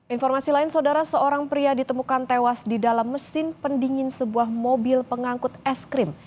informasi lain saudara seorang pria ditemukan tewas di dalam mesin pendingin sebuah mobil pengangkut es krim